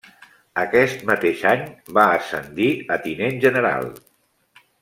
Aquest mateix any va ascendir a tinent general.